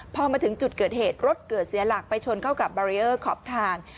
พอมาถึงจุดเกิดเหตุรถเกิดเสียหลักไปชนเข้ากับบารีเออร์ขอบทาง